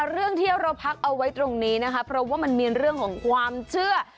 เรื่องที่เราพักเอาไว้ตรงนี้นะคะเพราะว่ามันมีเรื่องของความเชื่อ